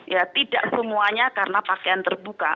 ya tidak semuanya karena pakaian terbuka